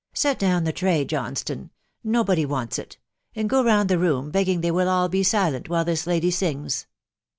" Set down the tray, Johnstone ; nobody wants it ;... and go round the room, begging they will all be silent while this lady sings."